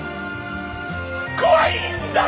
怖いんだろ！？